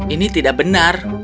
ini tidak benar